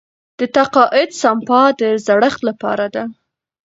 د تقاعد سپما د زړښت لپاره ده.